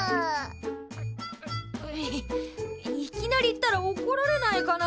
いいきなり行ったらおこられないかな？